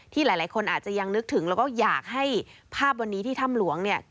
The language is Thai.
หลายคนอาจจะยังนึกถึงแล้วก็อยากให้ภาพวันนี้ที่ถ้ำหลวงเนี่ย